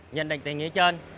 nhận định tình nghĩa chân